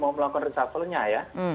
mau melakukan reshuffle nya ya